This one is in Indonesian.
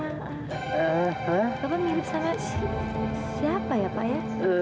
bapak tuh mirip sama siapa ya pak ya